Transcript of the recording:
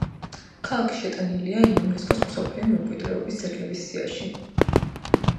ქალაქი შეტანილია იუნესკოს მსოფლიო მემკვიდრეობის ძეგლების სიაში.